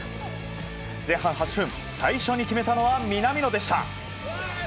前半８分最初に決めたのは南野でした。